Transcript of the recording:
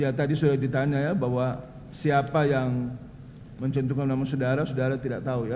ya tadi sudah ditanya ya bahwa siapa yang mencentungkan nama saudara saudara tidak tahu ya